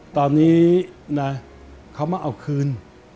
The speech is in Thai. ตอนนี้นะเขามาเอาคืน